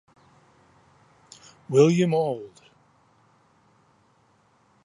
William Auld.